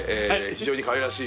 非常にかわいらしい。